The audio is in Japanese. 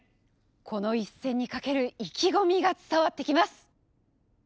この一戦にかける意気込みが伝わってきます！